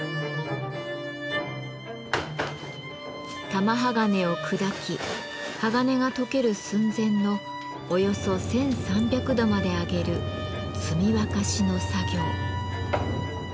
玉鋼を砕き鋼が溶ける寸前のおよそ１，３００度まで上げる「積沸し」の作業。